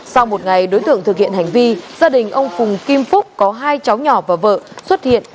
sau một ngày đối tượng thực hiện hành vi gia đình ông phùng kim phúc có hai cháu nhỏ và vợ xuất hiện